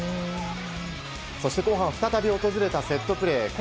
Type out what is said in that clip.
そして後半、再び訪れたセットプレー。